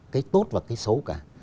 cái tốt và cái xấu cả